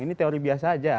ini teori biasa aja